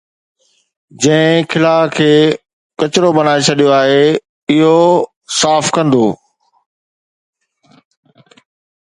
جنهن خلاءَ کي ڪچرو بڻائي ڇڏيو آهي، اهو صاف ڪندو